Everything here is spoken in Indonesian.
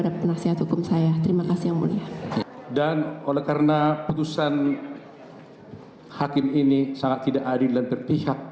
dan oleh karena putusan hakim ini sangat tidak adil dan terpihak